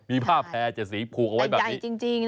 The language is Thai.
มีผ้าแพร่เจ็ดสีผูกเอาไว้แบบนี้แต่ใหญ่จริงจริงนะ